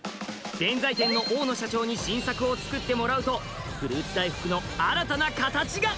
弁才天の大野社長に新作をつくってもらうとフルーツ大福の新たな形が！